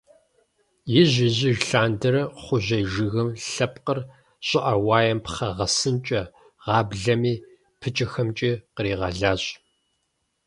Ижь-ижьыж лъандэрэ кхъужьей жыгым лъэпкъыр щӀыӀэ-уаем пхъэ гъэсынкӀэ, гъаблэми и пыкӀэхэмкӀэ къригъэлащ.